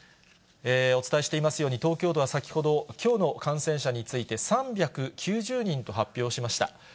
お伝えしていますように、東京都は先ほど、きょうの感染者について３９０人と発表しました。